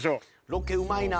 ロケうまいな。